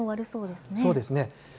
そうですね。